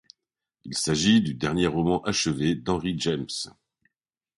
Il s’agit du dernier roman achevé d'Henry James.